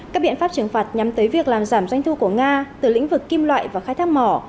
các biện pháp trừng phạt nhằm tới việc làm giảm doanh thu của nga từ lĩnh vực kim loại và khai thác mỏ